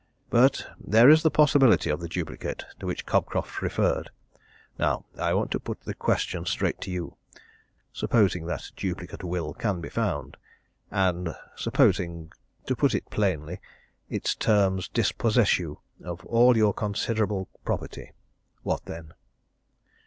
But there is the possibility of the duplicate to which Cobcroft referred. Now, I want to put the question straight to you supposing that duplicate will can be found and supposing to put it plainly its terms dispossess you of all your considerable property what then?"